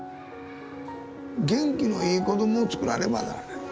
元気のいい子どもをつくらねばならない。